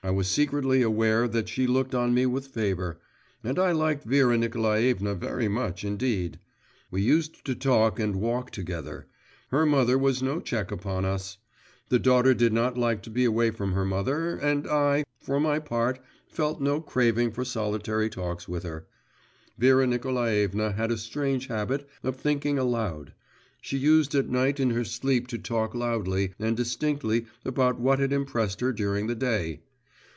I was secretly aware that she looked on me with favour; and I liked Vera Nikolaevna very much indeed. We used to talk and walk together.… Her mother was no check upon us; the daughter did not like to be away from her mother, and I, for my part, felt no craving for solitary talks with her.… Vera Nikolaevna had a strange habit of thinking aloud; she used at night in her sleep to talk loudly and distinctly about what had impressed her during the day.